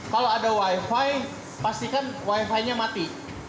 kalau ada wifi pastikan wifi nya mati